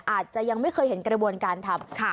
อาจจะยังไม่เคยเห็นกระบวนการทำ